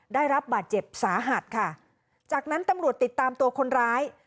ได้รับบาดเจ็บสาหัสค่ะจากนั้นตำรวจติดตามตัวคนร้าย